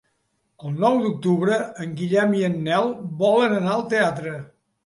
El nou d'octubre en Guillem i en Nel volen anar al teatre.